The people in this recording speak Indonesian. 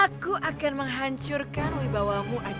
aku akan menghancurkan wibawamu aja